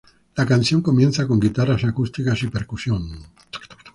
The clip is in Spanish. La canción comienza con guitarras acústicas y percusión.